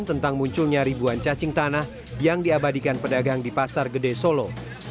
tentang munculnya ribuan cacing tanah yang diabadikan pedagang di pasar gede solo